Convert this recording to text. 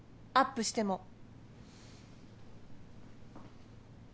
アップしても。